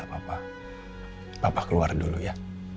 bapak keluar dulu ya